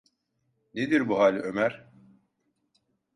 Nedir bu hal Ömer?